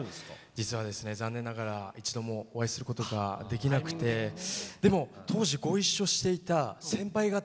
実はですね残念ながら一度もお会いすることができなくてでも当時ご一緒していた先輩方